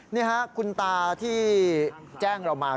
นี่ค่ะคุณตาที่แจ้งเรามา